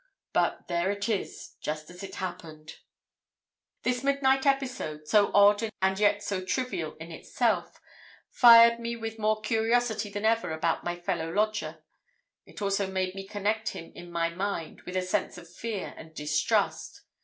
But, there it is, just as it happened. "This midnight episode, so odd and yet so trivial in itself, fired me with more curiosity than ever about my fellow lodger. It also made me connect him in my mind with a sense of fear and distrust.